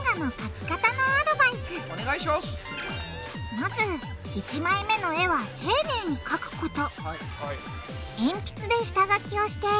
まず１枚目の絵は丁寧にかくこと！